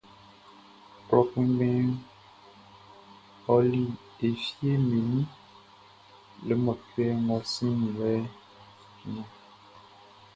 Klɔ kpɛnngbɛnʼn ɔli e fieʼm be nun le mɔcuɛ ngʼɔ sinnin lɛʼn nun.